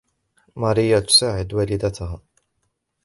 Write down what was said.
ماريا تساعد والدتها.